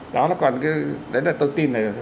đấy là tôi tin